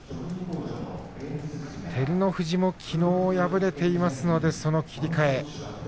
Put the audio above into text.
照ノ富士もきのう敗れていますのでその切り替え。